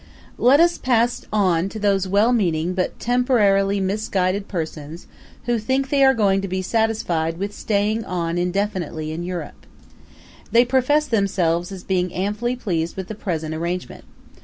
Let us pass on to those well meaning but temporarily misguided persons who think they are going to be satisfied with staying on indefinitely in Europe. They profess themselves as being amply pleased with the present arrangement.